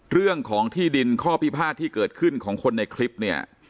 เรื่องของที่ดินข้อพิพาทที่เกิดขึ้นของคนในคลิปเนี่ย